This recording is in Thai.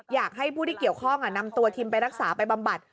อยากให้ผู้ที่เกี่ยวข้องนำตัวทิมไปรักษาไปบำบัด